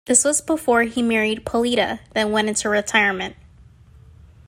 This was before he married Polita then went into retirement.